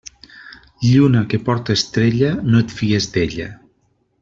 Lluna que porte estrella, no et fies d'ella.